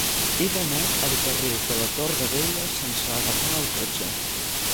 He d'anar al carrer de la Torre Vella sense agafar el cotxe.